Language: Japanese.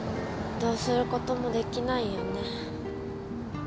どうすることもできないよね。